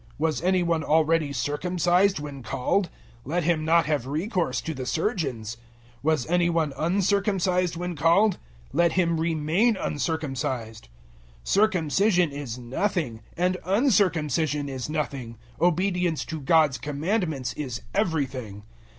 Was any one already circumcised when called? Let him not have recourse to the surgeons. Was any one uncircumcised when called? Let him remain uncircumcised. 007:019 Circumcision is nothing, and uncircumcision is nothing: obedience to God's commandments is everything.